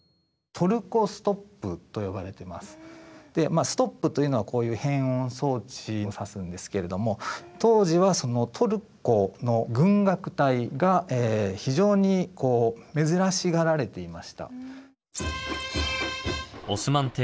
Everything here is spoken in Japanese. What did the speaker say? でまあ「ストップ」というのはこういう変音装置を指すんですけれども当時はそのトルコの軍楽隊が非常にこう珍しがられていました。